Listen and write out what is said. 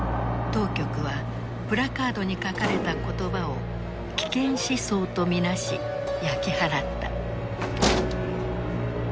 当局はプラカードに書かれた言葉を危険思想と見なし焼き払った。